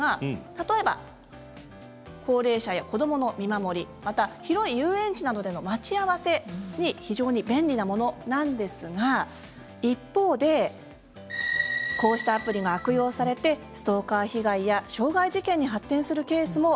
例えば、高齢者や子どもの見守りまた広い遊園地などでの待ち合わせに非常に便利なものなんですが一方で、こうしたアプリが悪用されてストーカー被害や傷害事件に発展するケースも